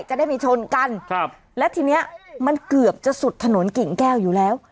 จะได้มีชนกันครับและทีเนี้ยมันเกือบจะสุดถนนกิ่งแก้วอยู่แล้ว